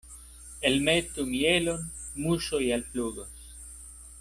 Elmetu mielon, muŝoj alflugos.